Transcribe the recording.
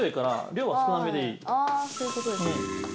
ああそういう事ですね。